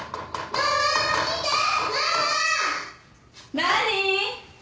何？